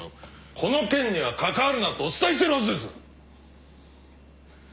この件には関わるなとお伝えしてるはずです！